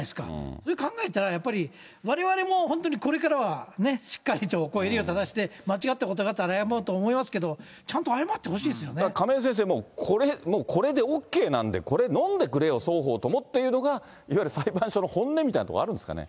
それ考えたら、やっぱりわれわれも本当にこれからは、ね、しっかりと襟を正して、間違ったことがあったら謝ろうと思いますけれども、亀井先生、もうこれでＯＫなんで、これ、のんでくれよ、双方ともっていうのが、いわゆる裁判所の本音みたいなところがあるんですかね。